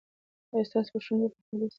آیا ستاسو په ښوونځي کې خوشالي سته؟